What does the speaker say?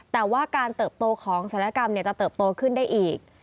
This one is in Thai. แต่ว่าการเติบโตของศัลยกรรมจะเติบโตขึ้นได้อีก